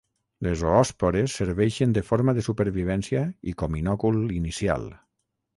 Les oòspores serveixen de forma de supervivència i com inòcul inicial.